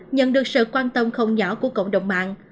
nhận được sự quan tâm không nhỏ của cộng đồng mạng